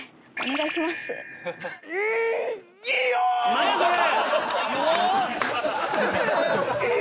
何やそれ？